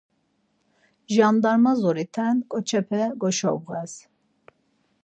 Jandarma zoriten ǩoçepe goşobğez.